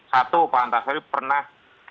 satu pak antasari pernah